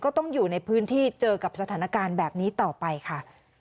ต้องอยู่ในพื้นที่เจอกับสถานการณ์แบบนี้ต่อไปค่ะ